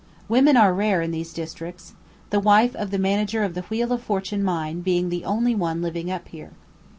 Women are rare in these districts, the wife of the manager of the Wheel of Fortune Mine being the only one living up here.